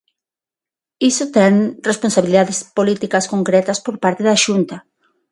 Iso ten responsabilidades políticas concretas por parte da Xunta.